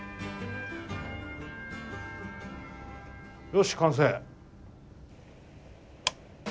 よし完成。